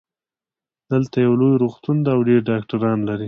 دلته یو لوی روغتون ده او ډېر ډاکټران لری